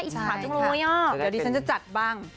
เดี๋ยวดีฉันจะจัดบ้าง